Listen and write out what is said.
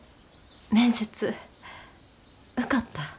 面接受かった。